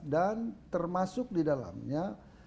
dan termasuk didalamnya